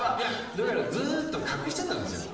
だからずっと隠してたんですよ。